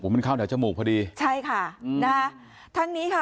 มันเข้าแถวจมูกพอดีใช่ค่ะอืมนะฮะทั้งนี้ค่ะ